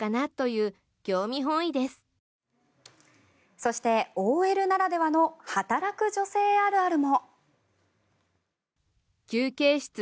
そして、ＯＬならではの働く女性あるあるも。